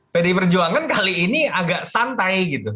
pdip berjuangan kali ini agak santai gitu